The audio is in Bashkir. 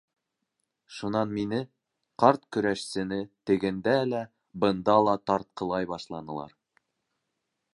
Шунан мине, ҡарт көрәшсене, тегендә лә, бында ла тартҡылай башланылар.